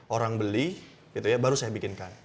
orang beli gitu ya baru saya bikinkan